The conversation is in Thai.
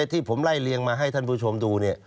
ที่ผมไล่เรียงมาให้ท่านผู้ชมดู